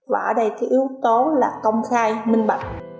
và ở đây thì yếu tố là công khai minh bạch